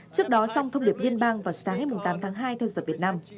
trước đó trong thông điệp liên bang vào sáng ngày tám tháng hai theo giờ việt nam